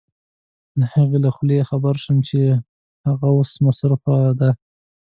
د هغې له خولې خبر شوم چې هغه اوس مصروفه ده.